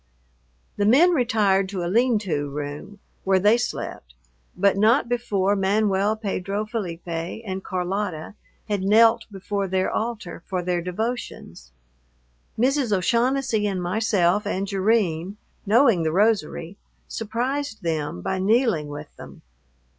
The men retired to a lean to room, where they slept, but not before Manuel Pedro Felipe and Carlota had knelt before their altar for their devotions. Mrs. O'Shaughnessy and myself and Jerrine, knowing the rosary, surprised them by kneeling with them.